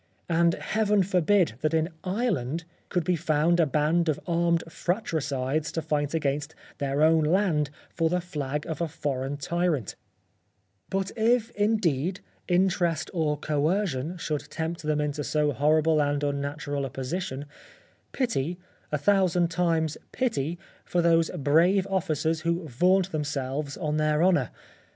And heaven forbid that in Ireland could be found a band of armed fratricides to fight against their own land for the flag of a foreign tyrant. 58 The Life of Oscar Wilde But if, indeed, interest or coercion should tempt them into so horrible and unnatural a position, pity, a thousand times pity for those brave officers who vaunt themselves on their honour.